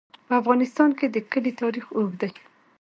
په افغانستان کې د کلي تاریخ اوږد دی.